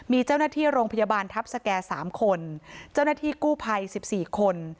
มีเจ้าหน้าที่โรงพยาบาลทัพสแก่๓คนเจ้าหน้าที่กู้ภัย๑๔คน